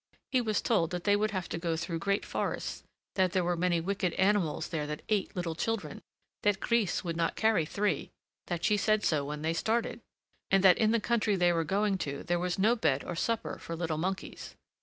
He was told that they would have to go through great forests, that there were many wicked animals there that ate little children, that Grise would not carry three, that she said so when they started, and that in the country they were going to there was no bed or supper for little monkeys.